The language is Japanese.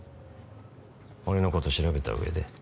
俺のこと調べた上で？